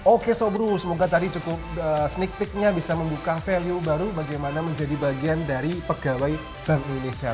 oke sobru semoga tadi cukup sneaktifnya bisa membuka value baru bagaimana menjadi bagian dari pegawai bank indonesia